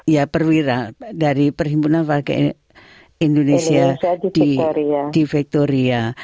ya perwira dari perhimpunan warga indonesia di victoria